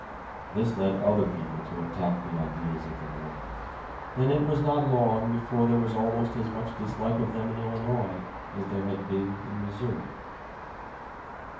This led other people to attack the ideas of the Mormons, and it was not long before there was almost as much dislike of them in Illinois as there had been in Missouri.